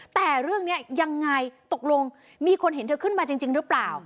แต่เรื่องนี้ยังไงตกลงมีคนเห็นเธอขึ้นมาจริงหรือเปล่า